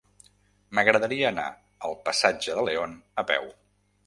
M'agradaria anar al passatge de León a peu.